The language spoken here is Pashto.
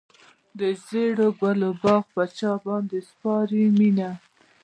د ژړو ګلو باغ پر چا باندې سپارې مینه.